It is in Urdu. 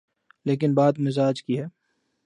لیکن بات مزاج کی ہے۔